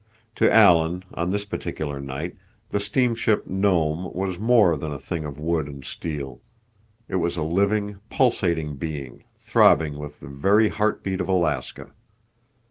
To Alan, on this particular night, the steamship Nome was more than a thing of wood and steel. It was a living, pulsating being, throbbing with the very heart beat of Alaska.